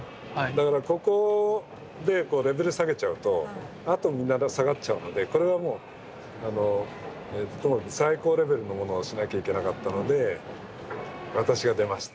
だからここでレベル下げちゃうとあとみんな下がっちゃうのでこれはもう最高レベルのものをしなきゃいけなかったので私が出ました。